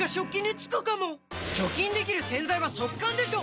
除菌できる洗剤は速乾でしょ！